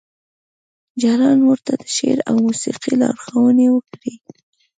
جلان ورته د شعر او موسیقۍ لارښوونې وکړې